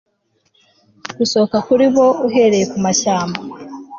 Gusohoka kuri bo uhereye kumashyamba